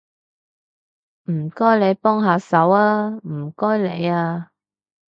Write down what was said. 唔該你幫下手吖，唔該你吖